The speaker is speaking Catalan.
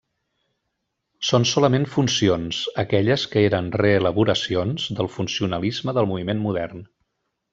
Són solament funcions, aquelles que eren reelaboracions del funcionalisme del Moviment Modern.